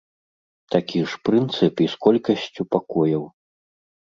Такі ж прынцып і з колькасцю пакояў.